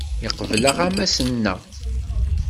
Yeqbel aɣawas-nneɣ.